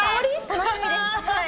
楽しみですはい。